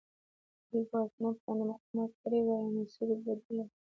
که دې ګواښونو پر وړاندې مقاومت کړی وای مسیر بدل وای.